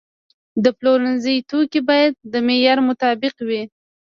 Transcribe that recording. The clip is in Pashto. د پلورنځي توکي باید د معیار مطابق وي.